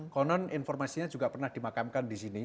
konon informasinya juga pernah dimakamkan di sini